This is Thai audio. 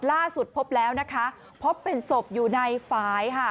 ล่าสุดพบแล้วนะคะพบเป็นศพอยู่ในฝ่ายค่ะ